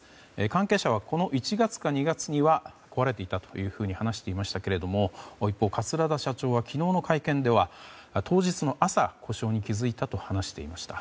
関係者はこの１月か２月には壊れていたというふうに話していましたけれども一方、桂田社長は昨日の会見では当日の朝、故障に気付いたと話していました。